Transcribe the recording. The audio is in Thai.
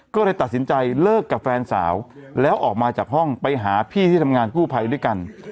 ก็เลยตัดสินใจเลิกกับแฟนสาวแล้วออกมาจากห้องไปหาพี่ที่ทำงานกู้ภัยด้วยกัน